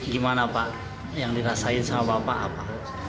gimana pak yang dirasain sama bapak apa